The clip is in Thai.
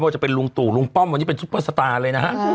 จะเป็นลุงตู่ลุงป้อมวันนี้เป็นซุปเปอร์สตาร์เลยนะฮะ